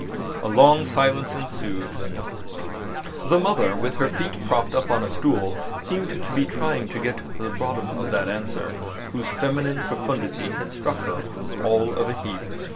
A long silence ensued. The mother, with her feet propped up on a stool, seemed to be trying to get to the bottom of that answer, whose feminine profundity had struck her all of a heap.